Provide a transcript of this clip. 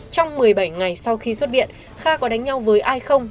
trong một mươi bảy ngày sau khi xuất viện kha có đánh nhau với ai